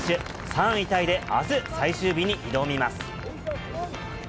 ３位タイであす、最終日に挑みます。